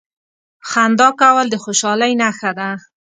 • خندا کول د خوشالۍ نښه ده.